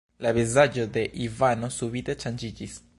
La vizaĝo de Ivano subite ŝanĝiĝis.